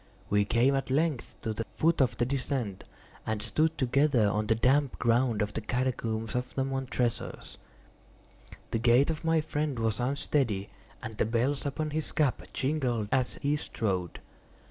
We came at length to the foot of the descent, and stood together on the damp ground of the catacombs of the Montresors. The gait of my friend was unsteady, and the bells upon his cap jingled as he strode.